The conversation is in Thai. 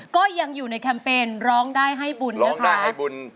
ก็ยังอยู่ในแคมเปญร้องได้ให้บุญร้องได้ให้บุญ